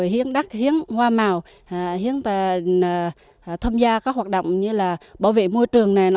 hiến đắc hiến hoa màu hiến tham gia các hoạt động như bảo vệ môi trường